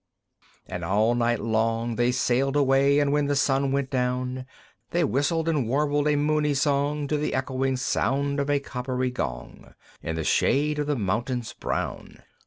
IV. And all night long they sailed away; And when the sun went down, They whistled and warbled a moony song To the echoing sound of a coppery gong, In the shade of the mountains brown.